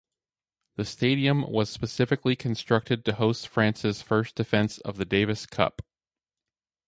The stadium was specifically constructed to host France's first defense of the Davis Cup.